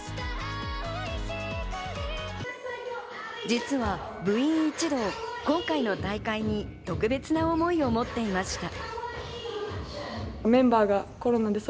実は部員一同、今回の大会に特別な思いを持っていました。